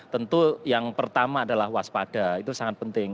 tentu yang pertama adalah waspada itu sangat penting